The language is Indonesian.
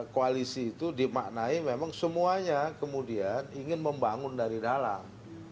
koalisi itu dimaknai memang semuanya kemudian ingin membangun dari dalam